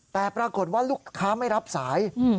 แต่ปรากฏว่าลูกค้าไม่รับสาย